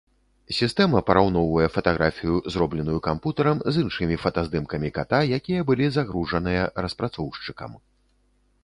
Сістэма параўноўвае фатаграфію, зробленую кампутарам, з іншымі фотаздымкамі ката, якія былі загружаныя распрацоўшчыкам.